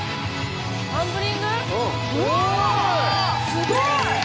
すごい！